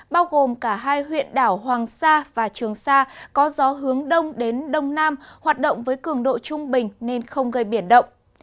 bao gồm cả hai huyện đảo hoàng sa và trường sa có gió hướng đông đến đông nam hoạt động với cường độ trung bình nên không gây biển động